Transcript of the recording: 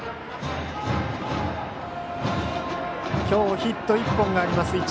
今日ヒット１本があります